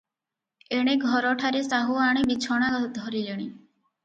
ଏଣେ ଘରଠାରେ ସାହୁଆଣୀ ବିଛଣା ଧରିଲେଣି ।